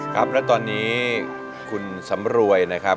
ครับแล้วตอนนี้คุณสำรวยนะครับ